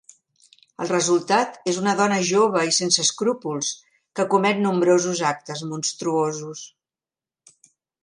El resultat és una dona jove i sense escrúpols, que comet nombrosos actes monstruosos.